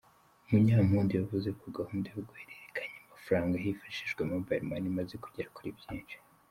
Munyampundu yavuze ko gahunda yo guhererekanya amafaranga hifashishijwe Mobile Money imaze kugera kuri byinshi.